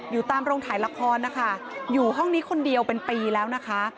อยู่ตามโรงถ่ายละครนะคะอยู่ห้องนี้คนเดียวเป็นปีแล้วนะคะ